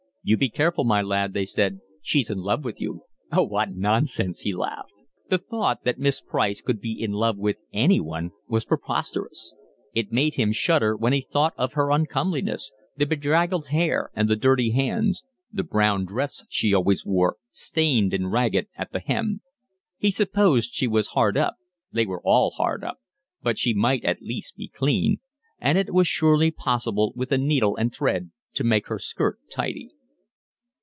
"You be careful, my lad," they said, "she's in love with you." "Oh, what nonsense," he laughed. The thought that Miss Price could be in love with anyone was preposterous. It made him shudder when he thought of her uncomeliness, the bedraggled hair and the dirty hands, the brown dress she always wore, stained and ragged at the hem: he supposed she was hard up, they were all hard up, but she might at least be clean; and it was surely possible with a needle and thread to make her skirt tidy.